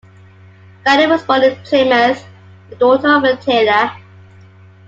Ganley was born in Plymouth, the daughter of a tailor.